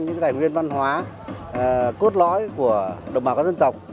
những tài nguyên văn hóa cốt lõi của đồng bào các dân tộc